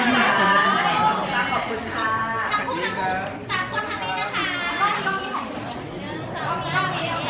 ขอบคุณแม่ก่อนต้องกลางนะครับ